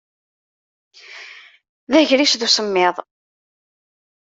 D agris d usemmiḍ.